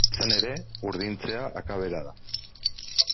Izan ere, urdintzea akabera da.